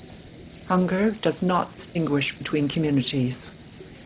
Hunger does not distinguish between communities.